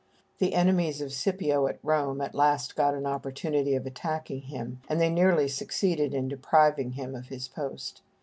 The enemies of Scipio at Rome at last got an opportunity of attacking him, and they nearly succeeded in depriving him of his post.